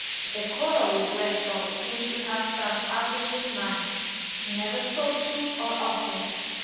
The quarrel with Westall seemed to have sunk out of his mind. He never spoke to or of him.